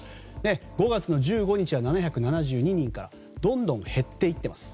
５月の１５日には７７２人からどんどん減っていってます。